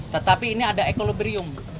tetapi ini ada ekolobrium